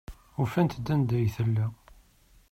Ufant-d anda ay tella.